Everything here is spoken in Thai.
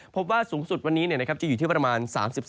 พบว่าสูงสุดวันนี้จะอยู่ที่ประมาณ๓๓